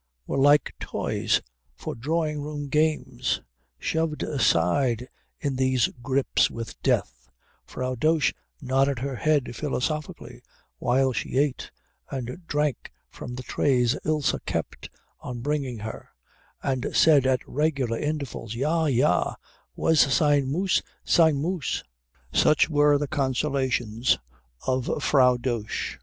were like toys for drawing room games, shoved aside in these grips with death, Frau Dosch nodded her head philosophically while she ate and drank from the trays Ilse kept on bringing her, and said at regular intervals, "Ja, ja was sein muss sein muss." Such were the consolations of Frau Dosch.